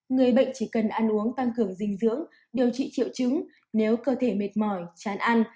người bệnh chỉ cần ăn uống tăng cường dinh dưỡng điều trị triệu chứng nếu cơ thể mệt mỏi chán ăn